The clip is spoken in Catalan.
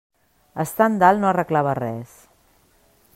Estant dalt no arreglava res.